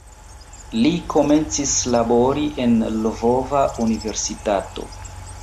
Li komencis labori en "Lvova Universitato".